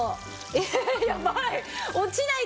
えやばい。